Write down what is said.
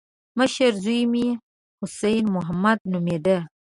مشر زوی مې حسين محمد نومېده.